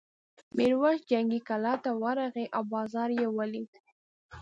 میرويس جنګي کلا ته ورغی او بازار یې ولید.